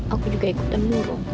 aku juga ikutan murung